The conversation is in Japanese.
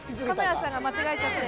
カメラさんが間違えちゃって。